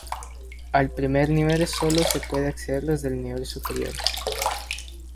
Al primer nivel solo se puede acceder desde el nivel superior.